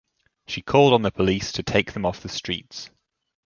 She called on the police to take them off the streets.